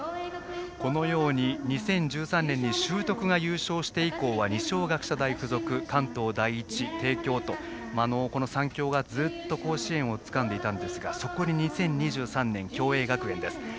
このように２０１３年に修徳が優勝して以降は二松学舎大付属、関東第一帝京と、この３強がずっと甲子園をつかんでいたんですがそこに２０２３年、共栄学園です。